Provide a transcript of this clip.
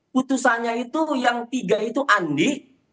putusannya itu yang tiga itu andi